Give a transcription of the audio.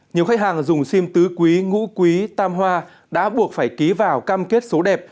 nhiều khách hàng dùng sim tứ quý ngũ quý tam hoa đã buộc phải ký vào cam kết số đẹp